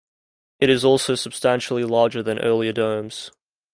It is also substantially larger than earlier domes.